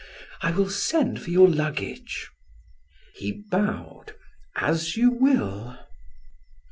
I will send for your luggage." He bowed. "As you will."